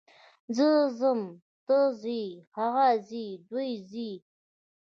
زه ځم، ته ځې، هغه ځي، دوی ځي.